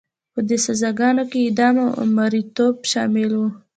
په دې سزاګانو کې اعدام او مریتوب شامل وو.